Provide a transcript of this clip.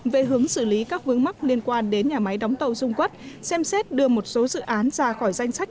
về hướng xử lý các vướng mắc liên quan đến nhà máy đóng tàu dung quất xem xét đưa một số dự án ra khỏi danh sách